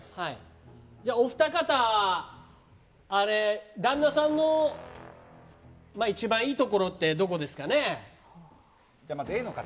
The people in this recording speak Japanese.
お二方、旦那さんの一番いいところってまずＡの方。